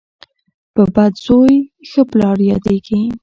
په بد زوی ښه پلار یادیږي.